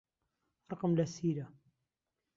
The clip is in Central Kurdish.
ڕقم لە سیرە.